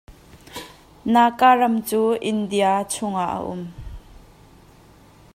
Naga ram cu India chungah a um.